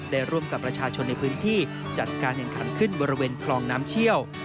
ร่วมกับประชาชนในพื้นที่จัดการแข่งขันขึ้นบริเวณคลองน้ำเชี่ยว